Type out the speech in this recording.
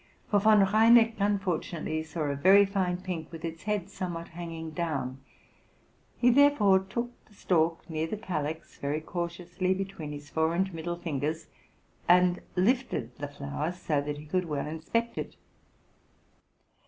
For Von Reineck unfortunately saw a very fine pink with its head somewhat hanging down: he therefore took the stalk near the calyx very cautiously between his fore and middle fingers, and lifted the flower so that he could well inspect it.